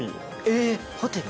えっホテル？